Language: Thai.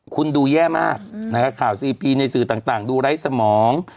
คุณดูแย่มากนะครับข่าวซีพีในสื่อต่างดูไร้สมอง